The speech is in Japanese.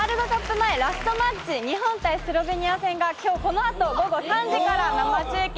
前、ラストマッチ、日本対スロベニア戦がきょうこのあと午後３時から生中継。